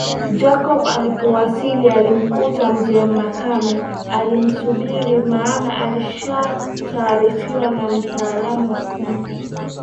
Jacob alipowasili alimkuta mzee Makame anamsubiri maana alishataarifiwa na mtaalam wa ufundi